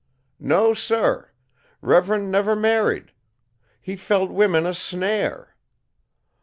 "No, sir! Rev'rund never married. He felt women a snare.